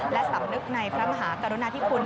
และสำนึกในพระมหากรุณาธิคุณ